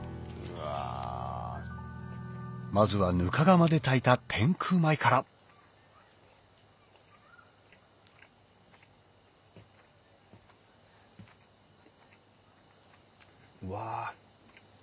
まずはぬか釜で炊いた天空米からうわ。